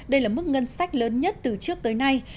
đây là mức ngân sách lớn nhất từ trước tới nay